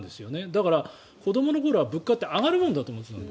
だから、子どもの頃は物価って上がるものだと思っていたの。